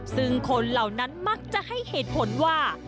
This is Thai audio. ซึ่งคนเหล่านั้นมักจะให้เหตุผลว่า